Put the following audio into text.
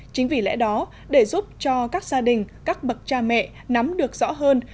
chính vì lẽ đó để giúp cho các gia đình các bậc cha mẹ nắm được rõ hơn